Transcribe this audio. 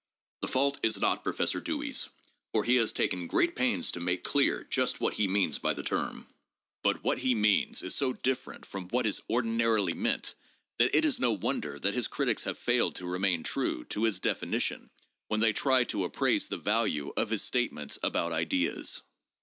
The fault is not Professor Dewey's, for he has taken great pains to make clear just what he means by the term. But what he means is so different from what is ordinarily meant that it is no wonder that his critics have failed to remain true to his definition when they try to appraise the value of his statements about ideas.